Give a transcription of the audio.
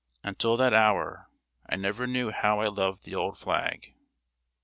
Until that hour, I never knew how I loved the old flag!